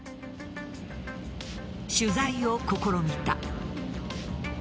取材を試みた。